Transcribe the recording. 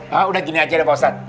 hah udah gini aja deh pak ustadz